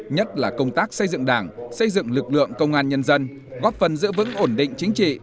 nhất là công tác xây dựng đảng xây dựng lực lượng công an nhân dân góp phần giữ vững ổn định chính trị